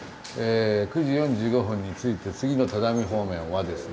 ９時４５分に着いて次の只見方面はですね